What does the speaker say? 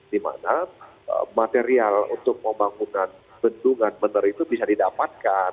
di mana material untuk pembangunan bendungan bener itu bisa didapatkan